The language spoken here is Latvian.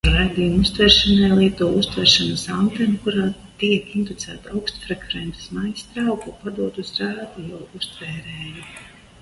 Raidījuma uztveršanai lieto uztverošo antenu, kurā tiek inducēta augstfrekvences maiņstrāva, ko padod uz radiouztvērēju.